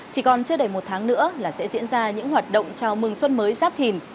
chỉ còn chưa đầy một tháng nữa là sẽ diễn ra những hoạt động chào mừng xuân mới giáp thìn